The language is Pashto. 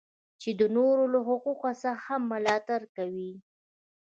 چې د نورو له حقوقو څخه هم ملاتړ کوي.